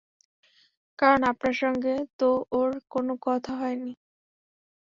কারণ আপনার সঙ্গে তো ওর কোনো কথা হয় নি।